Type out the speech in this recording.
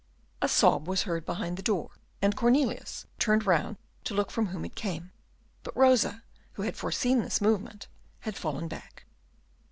A sob was heard behind the door, and Cornelius turned round to look from whom it came; but Rosa, who had foreseen this movement, had fallen back.